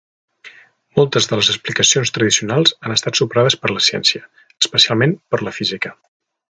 Moltes de les explicacions tradicionals han estat superades per la ciència, especialment per la física.